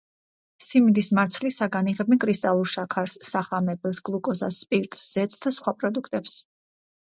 სიმინდის მარცვლისაგან იღებენ კრისტალურ შაქარს, სახამებელს, გლუკოზას, სპირტს, ზეთს და სხვა პროდუქტებს.